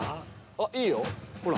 あっいいよ。ほら。